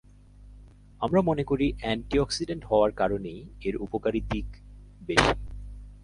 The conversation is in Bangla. আমরা মনে করি, অ্যান্টি অক্সিডেন্ট হওয়ার কারণেই এর উপকারী দিক বেশি।